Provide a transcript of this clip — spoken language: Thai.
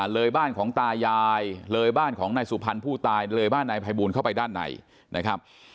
เลยบ้านของตายายเลยบ้านของนายสุพรรณผู้ตายเลยบ้านนายภัยบูลเข้าไปด้านในนะครับ